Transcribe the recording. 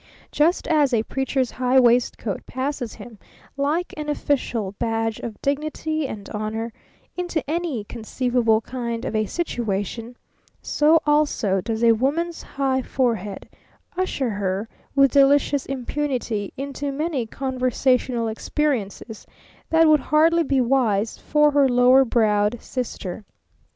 Just as a Preacher's high waistcoat passes him, like an official badge of dignity and honor, into any conceivable kind of a situation, so also does a woman's high forehead usher her with delicious impunity into many conversational experiences that would hardly be wise for her lower browed sister.